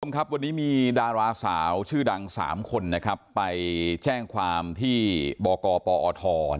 วันนี้มีดาราสาวชื่อดัง๓คนไปแจ้งความที่บกปอท